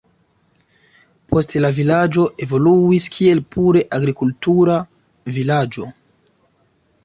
Poste la vilaĝo evoluis kiel pure agrikultura vilaĝo.